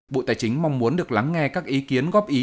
bộ tài chính mong muốn được lắng nghe các ý kiến góp ý